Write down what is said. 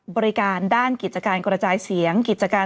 บริการด้านกิจการกฎาจายเสียง